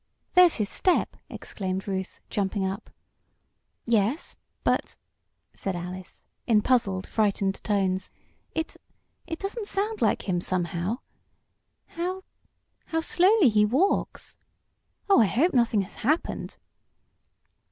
"There's his step!" exclaimed Ruth, jumping up. "Yes but," said Alice, in puzzled, frightened tones, "it it doesn't sound like him, somehow. How how slowly he walks! Oh, I hope nothing has happened!"